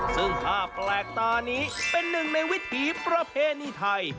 ซึ่งภาพแปลกตานี้เป็นหนึ่งในวิถีประเพณีไทย